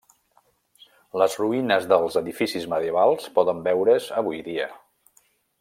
Les ruïnes dels edificis medievals poden veure's avui dia.